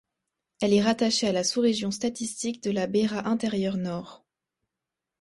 Elle est rattachée à la sous-région statistique de la Beira intérieure Nord.